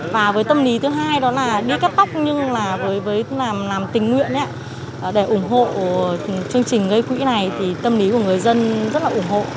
và với tâm lý thứ hai đó là đi cắt tóc nhưng là với làm tình nguyện để ủng hộ chương trình gây quỹ này thì tâm lý của người dân rất là ủng hộ